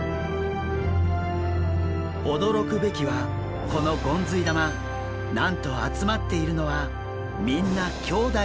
驚くべきはこのゴンズイ玉なんと集まっているのはみんな兄弟なんです。